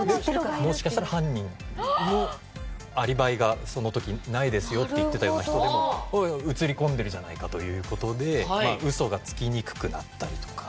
もしかしたら犯人のアリバイがその時ないですよって言ってたような人でもおい映り込んでるじゃないかという事でウソがつきにくくなったりとか。